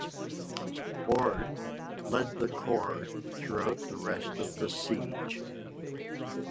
Ord led the corps throughout the rest of the siege.